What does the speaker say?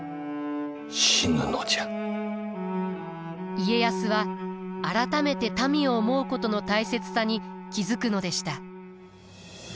家康は改めて民を思うことの大切さに気付くのでした。